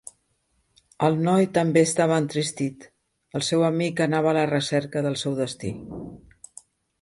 El noi també estava entristit; el seu amic anava a la recerca del seu destí.